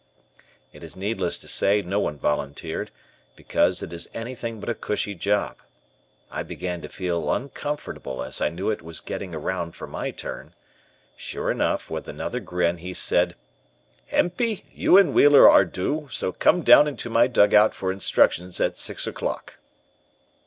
It is needless to say no one volunteered, because it is anything but a cushy Job. I began to feel uncomfortable as I knew it was getting around for my turn. Sure enough, with another grin, he said: "Empey, you and Wheeler are due, so come down into my dugout for instructions at six o'clock."